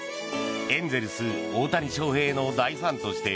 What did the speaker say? エンゼルス、大谷翔平の大ファンとして